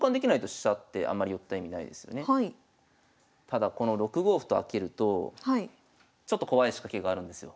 ただこの６五歩と開けるとちょっと怖い仕掛けがあるんですよ。